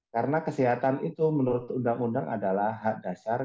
karena kesehatan itu menurut undang undang adalah hak dasar